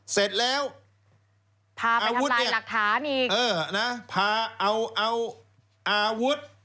เสร็จแล้วพาอาวุธเนี่ยหลักฐานอีกเออนะพาเอาเอาอาวุธ